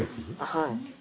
はい。